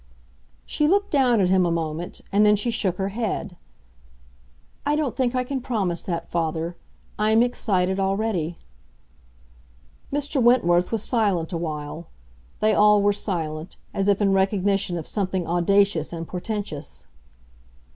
She looked down at him a moment, and then she shook her head. "I don't think I can promise that, father. I am excited already." Mr. Wentworth was silent a while; they all were silent, as if in recognition of something audacious and portentous.